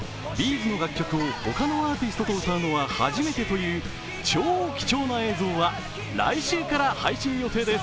’ｚの楽曲を他のアーティストと歌うのは初めてという超貴重な映像は来週から配信予定です。